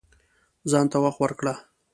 ځان ته وخت ورکړه